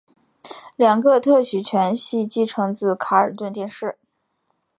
两个特许权系继承自卡尔顿电视。